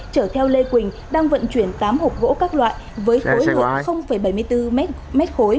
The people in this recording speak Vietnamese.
chở theo lê quỳnh đang vận chuyển tám hộp gỗ các loại với khối lượng bảy mươi bốn m ba